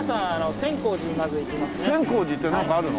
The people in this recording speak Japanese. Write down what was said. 千光寺って何かあるの？